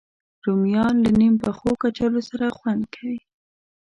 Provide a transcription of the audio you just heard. رومیان له نیم پخو کچالو سره خوند کوي